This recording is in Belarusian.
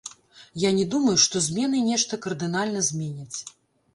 Я не думаю, што змены нешта кардынальна зменяць.